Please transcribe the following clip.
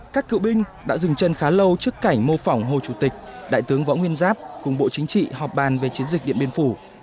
các cựu binh đã dừng chân khá lâu trước cảnh mô phỏng hồ chủ tịch đại tướng võ nguyên giáp cùng bộ chính trị họp bàn về chiến dịch điện biên phủ